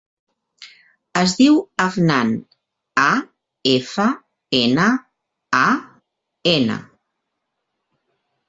Es diu Afnan: a, efa, ena, a, ena.